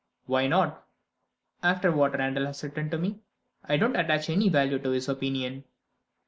"Why not?" "After what Randal has written to me, I don't attach any value to his opinion."